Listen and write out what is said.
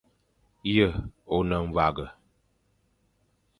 Ye o ne mwague.